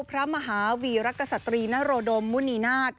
พระมหาวีรกษัตรีนโรดมมุณีนาฏ